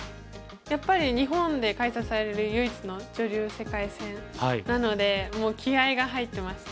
やっぱり日本で開催される唯一の女流世界戦なのでもう気合いが入ってました。